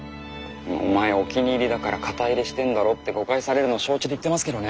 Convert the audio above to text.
お前お気に入りだから肩入れしてんだろって誤解されるの承知で言ってますけどね。